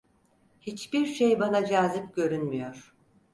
Hiçbir şey bana cazip görünmüyor.